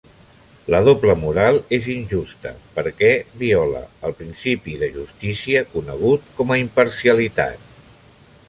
La doble moral és injusta perquè viola el principi de justícia conegut com a imparcialitat.